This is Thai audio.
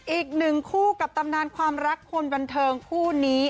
อีกหนึ่งคู่กับตำนานความรักคนบันเทิงคู่นี้